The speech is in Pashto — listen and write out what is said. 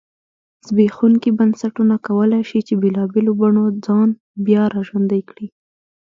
زبېښونکي بنسټونه کولای شي چې بېلابېلو بڼو ځان بیا را ژوندی کړی.